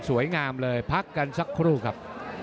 สวยงามเลยพักกันสักครู่ครับ